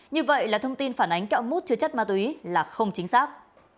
như vậy là thông tin phản ánh kẹo mút chứa chất ma túy là không chính xác